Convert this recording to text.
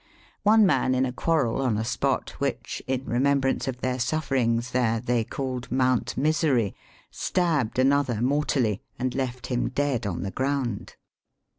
One man, in a quarrel, on a spot which, in remembrance of their sufferings there, they called Mount Misery, stabbed another mortally, and left him dead on the ground.